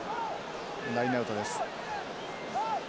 ラインアウトです。